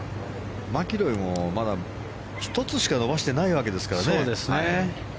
マキロイもまだ１つしか伸ばしていないわけですから。